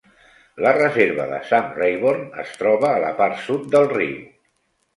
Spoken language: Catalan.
La reserva de Sam Rayburn es troba a la part sud del riu.